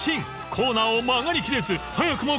［コーナーを曲がりきれず早くもコース